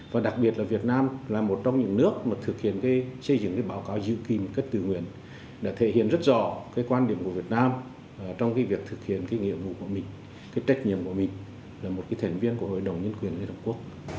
và đặc biệt là việt nam là một trong những nước mà thực hiện xây dựng báo cáo dự kỳ một cách từ nguyện đã thể hiện rất rõ quan điểm của việt nam trong việc thực hiện nghị ủng hộ của mình trách nhiệm của mình là một thành viên của hội đồng nhân quyền liên hợp quốc